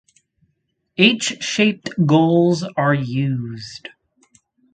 H-shaped goals are used.